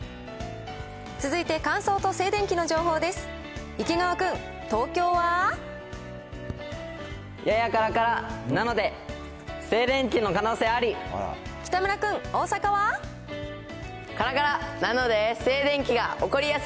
続いて乾燥と静電気の情報です。